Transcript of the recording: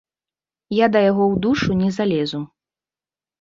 Я да яго ў душу не залезу.